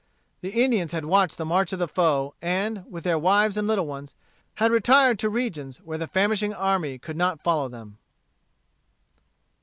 The Indians had watched the march of the foe, and, with their wives and little ones, had retired to regions where the famishing army could not follow them.